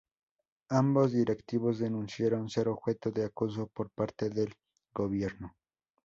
Ambos directivos denunciaron ser objeto de acoso por parte del Gobierno.